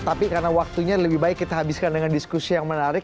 tapi karena waktunya lebih baik kita habiskan dengan diskusi yang menarik